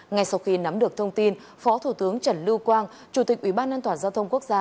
ngay sau khi nắm được thông tin phó thủ tướng trần lưu quang chủ tịch ủy ban an toàn giao thông quốc gia